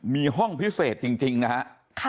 มีห้องพิเศษจริงนะฮะ